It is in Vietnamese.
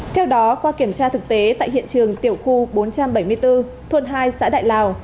theo đó qua kiểm tra thực tế tại hiện trường tiểu khu bốn trăm bảy mươi bốn thuận hai xã đại lào